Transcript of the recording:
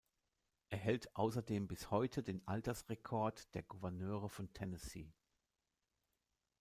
Er hält außerdem bis heute den Altersrekord der Gouverneure von Tennessee.